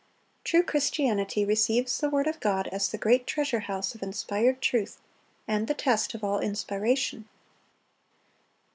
True Christianity receives the word of God as the great treasure house of inspired truth, and the test of all inspiration.